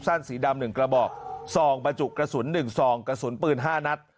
สั้นสีดำหนึ่งกระบอกซองประจุกกระสุนหนึ่งซองกระสุนปืนห้านัด